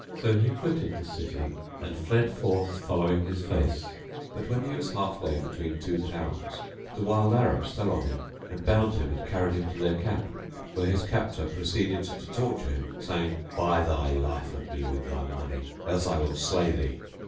So he quitted the city and fled forth following his face;[FN#693] but, when he was half way between two towns, the wild Arabs fell on him and bound him and carried him to their camp, where his captor proceeded to torture him, saying, "Buy thy life of me with thy money, else I will slay thee!"